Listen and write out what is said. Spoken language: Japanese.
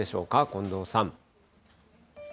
近藤さん。